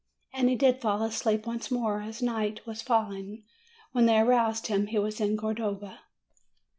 And he did fall asleep once more, as night was falling. When they aroused him, he was at Cordova.